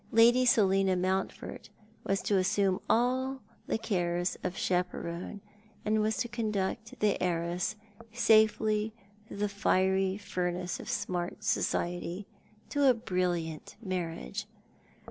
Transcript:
Lady Selina Mountford, was to assume all the cares of chaperon, and was to conduct the heiress safely through the fiery furnace of smart society, to a brilliant marriage.